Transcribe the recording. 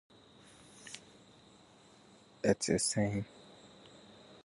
Tewkesbury is twinned with Miesbach in Bavaria, Germany.